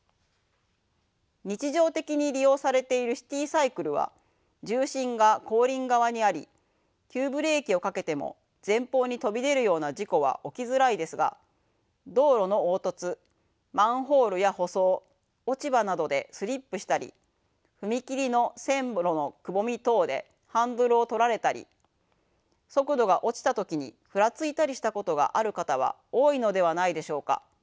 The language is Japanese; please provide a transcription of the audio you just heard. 日常的に利用されているシティサイクルは重心が後輪側にあり急ブレーキをかけても前方に飛び出るような事故は起きづらいですが道路の凹凸マンホールや舗装落ち葉などでスリップしたり踏切の線路のくぼみ等でハンドルをとられたり速度が落ちた時にふらついたりしたことがある方は多いのではないでしょうか。